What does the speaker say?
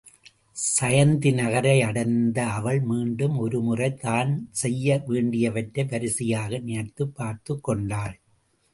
சயந்தி நகரை அடைந்த அவள், மீண்டும் ஒருமுறை தான் செய்ய வேண்டியவற்றை வரிசையாக நினைத்துப் பார்த்துக் கொண்டாள்.